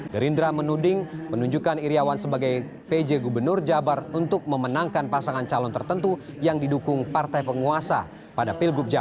gerindra menuding penunjukan iryawan sebagai pejabat gubernur jawa barat untuk memenangkan pasangan calon tertentu yang didukung partai penguasa